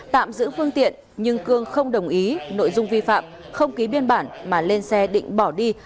tạm giữ phương tiện nhưng cương không đồng ý nội dung vi phạm không ký biên bản mà lên xe định bỏ đi